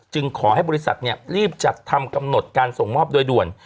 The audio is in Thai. ขอให้บริษัทรีบจัดทำกำหนดการส่งมอบโดยด่วน